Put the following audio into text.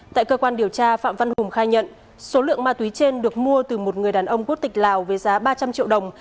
tại cơ quan điều tra phạm văn hùng khai nhận số lượng ma túy trên được mua từ một người đàn ông quốc tịch lào với giá ba trăm linh triệu đồng